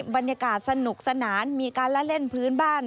บรรยากาศสนุกสนานมีการละเล่นพื้นบ้าน